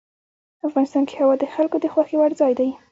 افغانستان کې هوا د خلکو د خوښې وړ ځای دی.